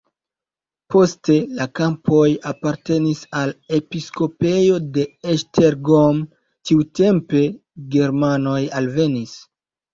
Poste la kampoj apartenis al episkopejo de Esztergom, tiutempe germanoj alvenis.